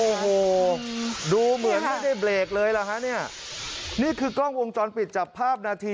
โอ้โหดูเหมือนไม่ได้เบรกเลยล่ะฮะเนี่ยนี่คือกล้องวงจรปิดจับภาพนาที